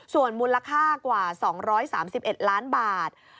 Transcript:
ส่วนมูลค่ากว่า๒๓๑ล้านบาท